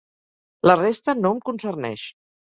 La resta no em concerneix.